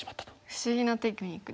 不思議なテクニックですね。